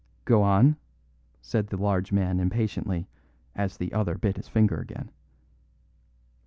"Go on," said the large man impatiently as the other bit his finger again.